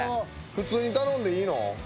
普通に頼んでいいの？